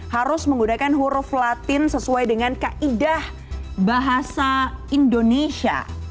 harus menggunakan huruf latin sesuai dengan kaidah bahasa indonesia